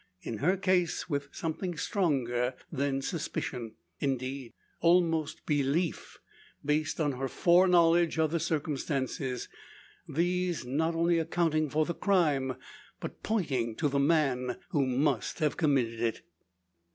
In her case with something stronger than suspicion indeed almost belief, based on her foreknowledge of the circumstances; these not only accounting for the crime, but pointing to the man who must have committed it.